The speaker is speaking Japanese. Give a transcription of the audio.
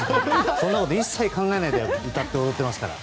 そんなこと一切考えないで歌ってくれますから。